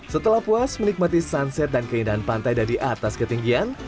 setelah puas menikmati sunset dan keindahan pantai dari atas ketinggian